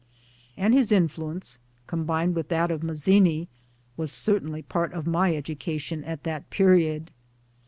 and his influence, combined with that of Mazzini, was certainly part of my education at that period.